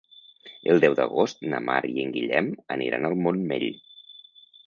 El deu d'agost na Mar i en Guillem aniran al Montmell.